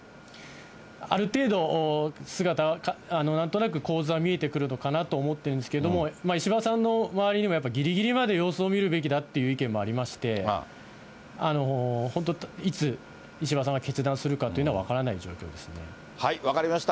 ある程度、姿は、なんとなく構図は見えてくるのかなと思ってるんですけれども、石破さんの周りにも、やっぱりぎりぎりまで様子を見るべきだっていう意見もありまして、本当、いつ、石破さんが決断するかっていうのは、分からない状況分かりました。